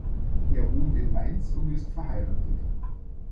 Er wohnt in Mainz und ist verheiratet.